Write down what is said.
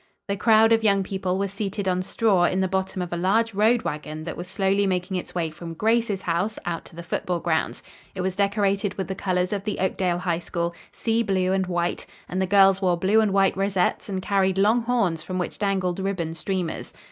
The crowd of young people were seated on straw in the bottom of a large road wagon that was slowly making its way from Grace's house out to the football grounds. It was decorated with the colors of the Oakdale High School, sea blue and white, and the girls wore blue and white rosettes and carried long horns from which dangled ribbon streamers.